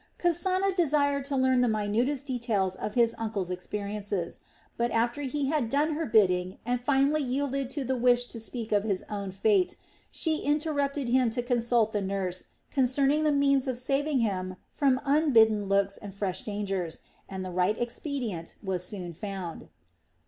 Kasana desired to learn the minutest details of his uncle's experiences; but after he had done her bidding and finally yielded to the wish to speak of his own fate, she interrupted him to consult the nurse concerning the means of saving him from unbidden looks and fresh dangers and the right expedient was soon found.